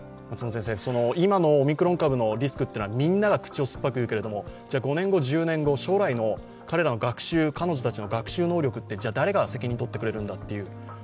今のオミクロン株のリスクというのはみんなが口を酸っぱく言うけれども５年後、１０年後、彼ら、彼女らの学習能力ってじゃあ誰が責任とってくれるんだっていう。